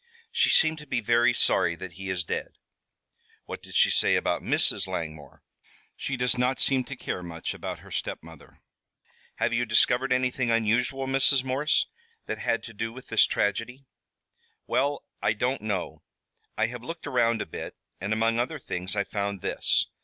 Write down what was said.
"She seems to be very sorry that he is dead." "What did she say about Mrs. Langmore?" "She does not seem to care much about her stepmother." "Have you discovered anything unusual, Mrs. Morse, that had to do with this tragedy?" "Well, I don't know. I have looked around a bit, and among other things I found this.